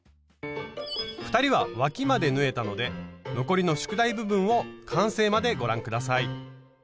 ２人はわきまで縫えたので残りの宿題部分を完成までご覧下さい。